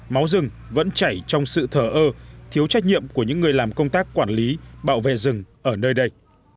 máu rừng vẫn chảy trong sự thở ơ thiếu trách nhiệm của những người làm công tác quản lý bảo vệ rừng ở nơi đây